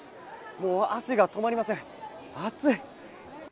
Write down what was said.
もう汗が止まりません、暑い。